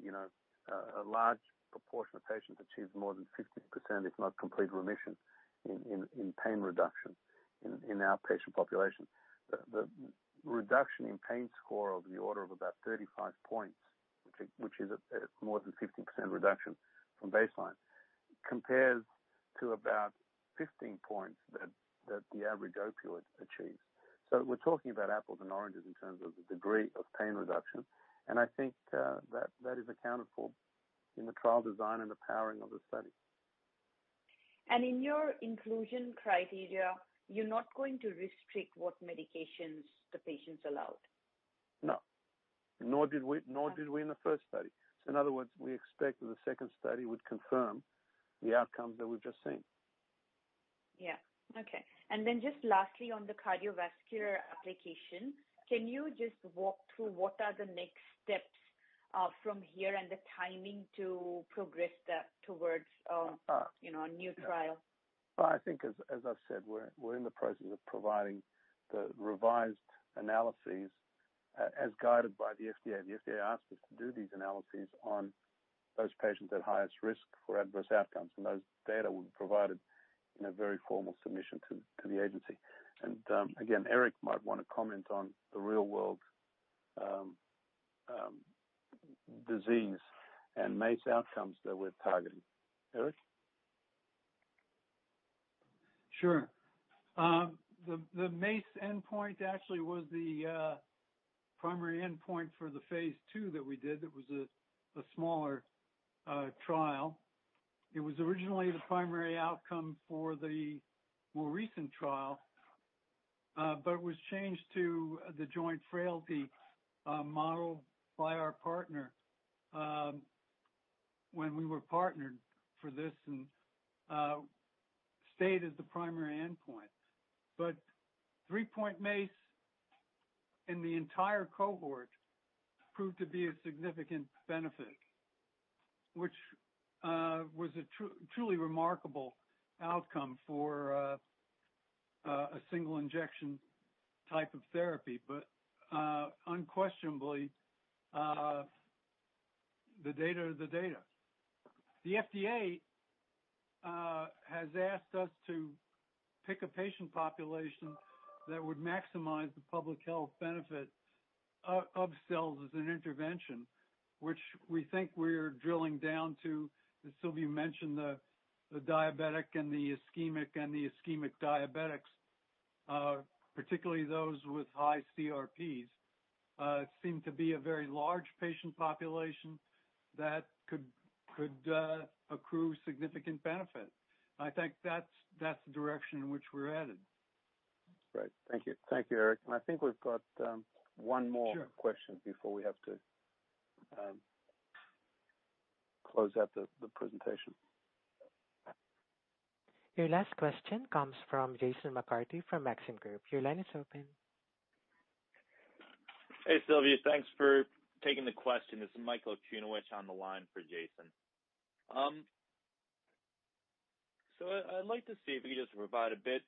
you know, a large proportion of patients achieve more than 60%, if not complete remission in pain reduction in our patient population. The reduction in pain score of the order of about 35 points, which is a more than 50% reduction from baseline, compares to about 15 points that the average opioid achieves. We're talking about apples and oranges in terms of the degree of pain reduction, and I think that is accounted for in the trial design and the powering of the study. In your inclusion criteria, you're not going to restrict what medications the patient's allowed? No. Nor did we in the first study. In other words, we expect that the second study would confirm the outcomes that we've just seen. Yeah. Okay. Just lastly, on the cardiovascular application, can you just walk through what the next steps are, from here and the timing to progress that towards, you know, a new trial? Well, I think as I've said, we're in the process of providing the revised analyses as guided by the FDA. The FDA asked us to do these analyses on those patients at highest risk for adverse outcomes, and those data will be provided in a very formal submission to the agency. Again, Eric might wanna comment on the real world disease and MACE outcomes that we're targeting. Eric? Sure. The MACE endpoint actually was the primary endpoint for the phase II that we did. That was a smaller trial. It was originally the primary outcome for the more recent trial, but was changed to the joint frailty model by our partner, when we were partnered for this and stayed as the primary endpoint. 3-point MACE in the entire cohort proved to be a significant benefit, which was a truly remarkable outcome for a single injection type of therapy. Unquestionably, the data are the data. The FDA has asked us to pick a patient population that would maximize the public health benefit of cells as an intervention, which we think we're drilling down to. As Silviu mentioned, the diabetic and the ischemic diabetics, particularly those with high CRPs, seem to be a very large patient population that could accrue significant benefit. I think that's the direction in which we're headed. Great. Thank you. Thank you, Eric. I think we've got, one more. Sure. One question before we have to close out the presentation. Your last question comes from Jason McCarthy from Maxim Group. Your line is open. Hey, Silviu. Thanks for taking the question. This is Michael Okunewitch on the line for Jason. I'd like to see if you could just provide a bit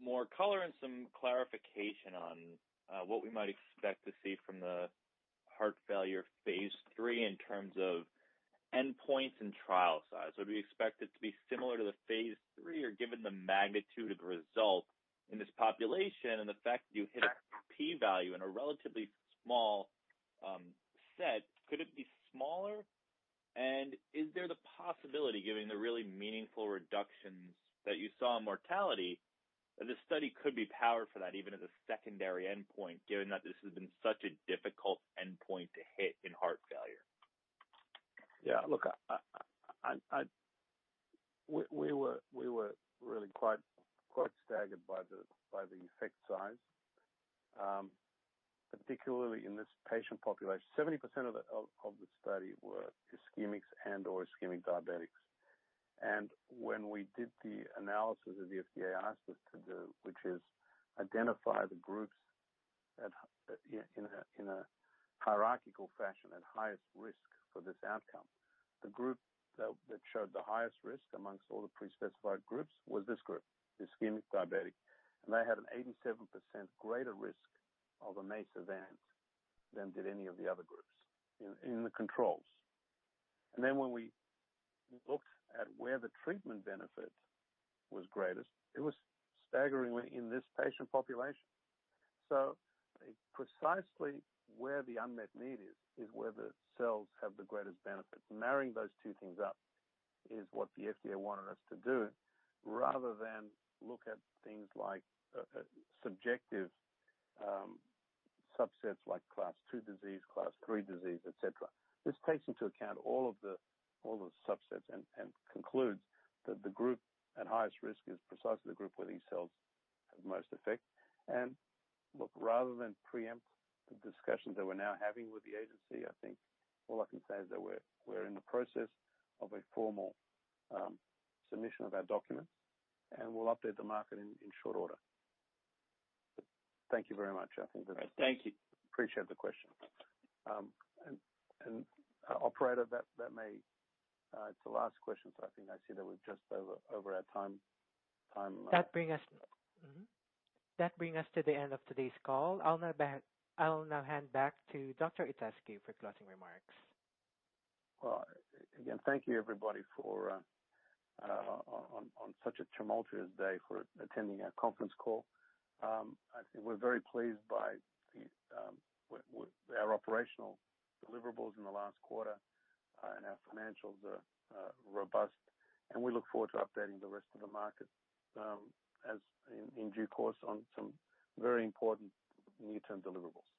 more color and some clarification on what we might expect to see from the heart failure phase III in terms of endpoints and trial size. Would we expect it to be similar to the phase III or given the magnitude of the result in this population and the fact you hit a P-value in a relatively small set, could it be smaller? Is there the possibility, given the really meaningful reductions that you saw in mortality, that this study could be powered for that even as a secondary endpoint, given that this has been such a difficult endpoint to hit in heart failure? Yeah. Look, we were really quite staggered by the effect size, particularly in this patient population. 70% of the study were ischemics and/or ischemic diabetics. When we did the analysis that the FDA asked us to do, which is identify the groups in a hierarchical fashion at highest risk for this outcome, the group that showed the highest risk amongst all the pre-specified groups was this group, ischemic diabetic. They had an 87% greater risk of a MACE event than did any of the other groups in the controls. When we looked at where the treatment benefit was greatest, it was staggeringly in this patient population. Precisely where the unmet need is where the cells have the greatest benefit. Marrying those two things up is what the FDA wanted us to do, rather than look at things like subjective subsets like class two disease, class three disease, et cetera. This takes into account all of the all the subsets and concludes that the group at highest risk is precisely the group where these cells have most effect. Look, rather than preempt the discussions that we're now having with the agency, I think all I can say is that we're in the process of a formal submission of our documents, and we'll update the market in short order. Thank you very much. I think that Thank you. Appreciate the question. Operator, that may. It's the last question, so I think I see that we're just over our time. That brings us to the end of today's call. I'll now hand back to Dr. Itescu for closing remarks. Well, again, thank you, everybody, for attending our conference call on such a tumultuous day. I think we're very pleased by our operational deliverables in the last quarter, and our financials are robust, and we look forward to updating the rest of the market in due course on some very important near-term deliverables.